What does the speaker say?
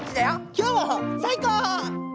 今日も最高！